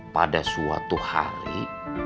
pada suatu hari